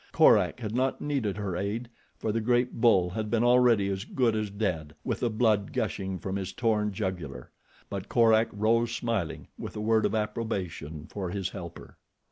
Korak had not needed her aid, for the great bull had been already as good as dead, with the blood gushing from his torn jugular; but Korak rose smiling with a word of approbation for his helper.